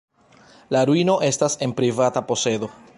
La ruino estas en privata posedo.